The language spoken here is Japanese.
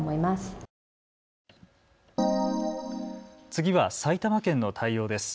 次は埼玉県の対応です。